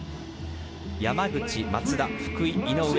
山口、松田、福井、井上。